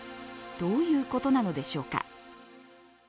どういうことなのでしょうか。